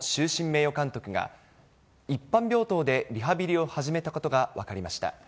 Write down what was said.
名誉監督が、一般病棟でリハビリを始めたことが分かりました。